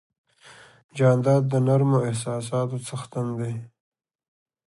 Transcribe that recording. جانداد د نرمو احساساتو څښتن دی.